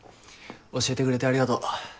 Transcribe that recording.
教えてくれてありがとう。